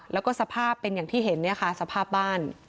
แล้วก็สภาพเป็นอย่างที่เห็นเนี่ยค่ะสภาพบ้าน